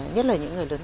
nhất là những người lớn